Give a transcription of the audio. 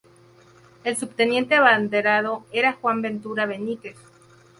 El subteniente abanderado era Juan Ventura Benítez.